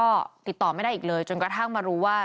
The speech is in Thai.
ในหมู่บ้านแล้วก็ติดต่อไม่ได้อีกเลยจนกระทั่งมารู้ว่า